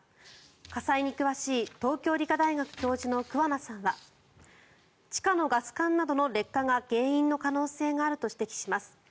火災に詳しい東京理科大学教授の桑名さんは地下のガス管などの劣化が原因の可能性があると指摘します。